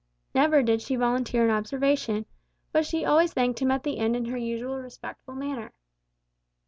Never did she volunteer an observation, but she always thanked him at the end in her usual respectful manner.